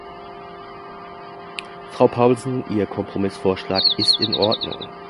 Frau Paulsen, Ihr Kompromissvorschlag ist in Ordnung.